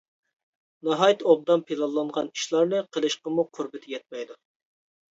ناھايىتى ئوبدان پىلانلانغان ئىشلارنى قىلىشقىمۇ قۇربىتى يەتمەيدۇ.